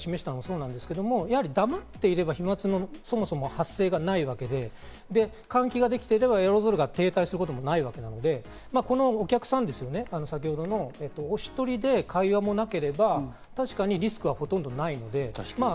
政府のガイドラインが今回示したのもそうですけど、黙っていれば飛沫はそもそも発生がないわけで、換気ができていればエアロゾルが停滞することもないわけなので、お客さんですね、先程もお１人で会話もなければ、確かにリスクはほとんどない。